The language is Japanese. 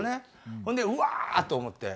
ほんでうわ！と思って。